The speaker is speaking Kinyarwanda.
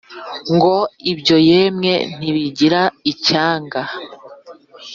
ngo ibyo yemwe ntibigira icyanga